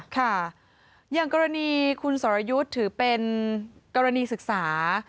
ค่ะอย่างกรณีคุณสรยุทธ์ถือเป็นกรณีศึกษา